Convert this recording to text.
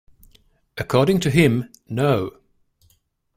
According to him, no.